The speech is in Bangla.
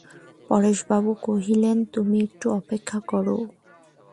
পরেশবাবু কহিলেন, তুমি একটু অপেক্ষা করো।